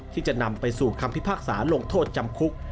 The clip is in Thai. ที่จะนำไปสู่คำพิพากษาลงโทษจำคุก